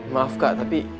maaf kak tapi